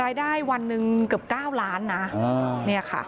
รายได้วันหนึ่งเกือบ๙ล้านนะเนี่ยค่ะ